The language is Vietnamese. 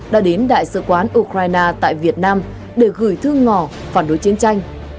đã đến đại sứ quán ukraine tại việt nam để gửi thư ngỏ phản đối chiến tranh